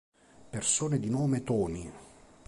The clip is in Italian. Persone di nome Tony